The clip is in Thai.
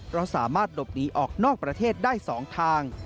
เพราะสามารถหลบหนีออกนอกประเทศได้๒ทาง